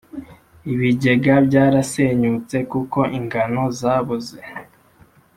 ibigega byarasenyutse kuko ingano zabuze.